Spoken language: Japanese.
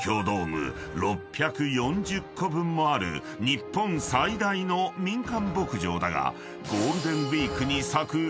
［日本最大の民間牧場だが］